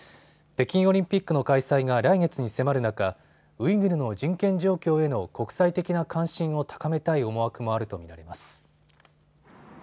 北京オリンピックの開催が来月に迫る中、ウイグルの人権状況への国際的な関心を高めたい思惑もあると見られます。